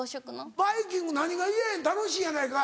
バイキング何が嫌やん楽しいやないかい。